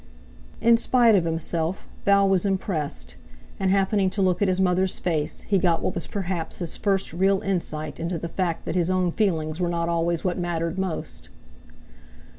In spite of himself, Val was impressed; and, happening to look at his mother's face, he got what was perhaps his first real insight into the fact that his own feelings were not always what mattered most.